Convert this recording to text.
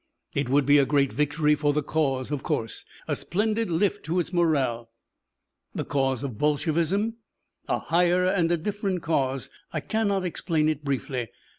"It would be a great victory for the cause, of course. A splendid lift to its morale." "The cause of Bolshevism?" "A higher and a different cause. I cannot explain it briefly.